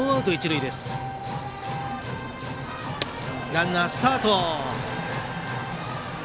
ランナー、スタート。